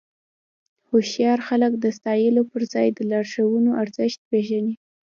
هوښیار خلک د ستایلو پر ځای د لارښوونو ارزښت پېژني.